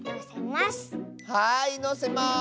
はいのせます！